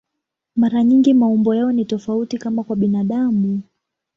Mara nyingi maumbo yao ni tofauti, kama kwa binadamu.